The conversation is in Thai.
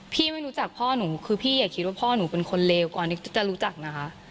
ไม่รู้จักพ่อหนูคือพี่อย่าคิดว่าพ่อหนูเป็นคนเลวก่อนที่จะรู้จักนะคะ